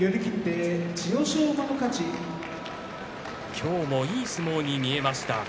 今日もいい相撲に見えました。